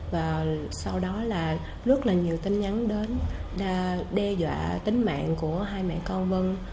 và sau đó là rất là nhiều tin nhắn đến đe dọa tính mạng của hai mẹ con vân